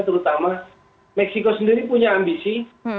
terutama meksiko sendiri punya ambisi